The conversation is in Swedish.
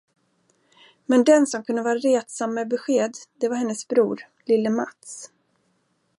Men den, som kunde vara retsam med besked, det var hennes bror, lille Mats.